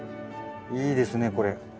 いいですねこれ。